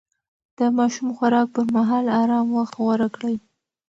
د ماشوم د خوراک پر مهال ارام وخت غوره کړئ.